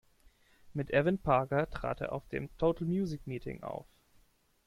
Mit Evan Parker trat er auf dem Total Music Meeting auf.